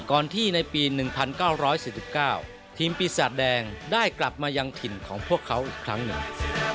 ก่อนที่ในปี๑๙๔๙ทีมปีศาจแดงได้กลับมายังถิ่นของพวกเขาอีกครั้งหนึ่ง